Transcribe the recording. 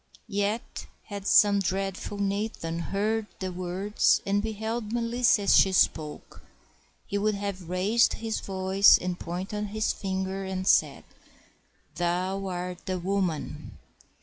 Yet had some dreadful Nathan heard the words, and beheld Melissa as she spoke, he would have raised his voice and pointed his finger and said, "Thou art the woman!"